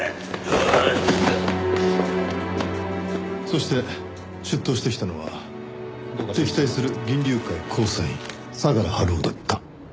そして出頭してきたのは敵対する銀龍会の構成員相良治夫だった。